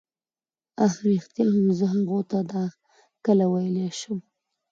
اه ریښتیا هم زه هغو ته دا کله ویلای شم.